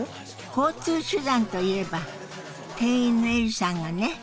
交通手段といえば店員のエリさんがね